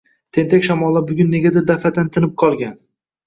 Tentak shamollar bugun negadir daf’atan tinib qolgan.